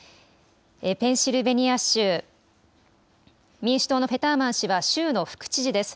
ペンシルベニア州、民主党のフェターマン氏は州の副知事です。